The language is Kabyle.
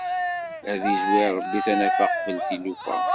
Ad izwer Ṛebbi tanafa qbel tilufa!